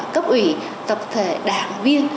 cấp ủy tập thể đảng viên